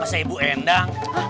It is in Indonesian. masa ibu endang